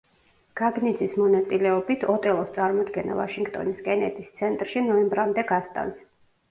გაგნიძის მონაწილეობით, „ოტელოს“ წარმოდგენა ვაშინგტონის კენედის ცენტრში ნოემბრამდე გასტანს.